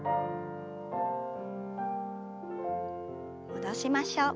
戻しましょう。